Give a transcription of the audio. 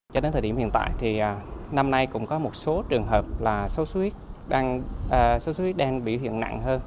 cho đến thời điểm hiện tại thì năm nay cũng có một số trường hợp là sốt xuất huyết đang bị hiện nặng hơn